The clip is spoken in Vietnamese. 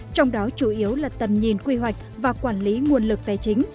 trong đó chủ yếu là tầm nhìn quy hoạch và quản lý nguồn lực tài chính